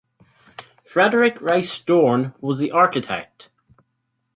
Frederick Rice Dorn was the architect.